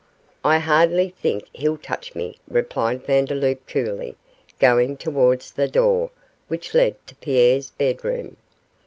'I hardly think he'll touch me,' replied Vandeloup, coolly, going towards the door which led to Pierre's bedroom.